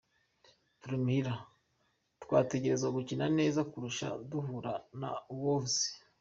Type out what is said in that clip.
"Turi muhira, twategerezwa gukina neza kurusha duhura na Wolves.